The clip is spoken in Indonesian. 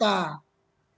dari lombok menuju jakarta